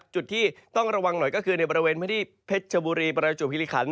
จุดที่ต้องระวังหน่อยก็คือในบริเวณพื้นที่เพชรชบุรีประจวบฮิริขัน